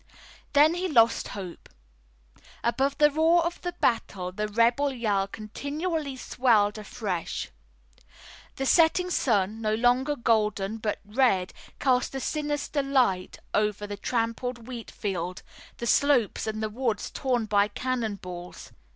Then he lost hope. Above the roar of the battle the rebel yell continually swelled afresh. The setting sun, no longer golden but red, cast a sinister light over the trampled wheat field, the slopes and the woods torn by cannon balls.